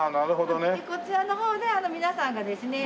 こちらの方で皆さんがですね